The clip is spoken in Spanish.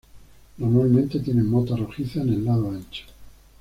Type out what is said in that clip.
Normalmente tienen motas rojizas en el lado ancho.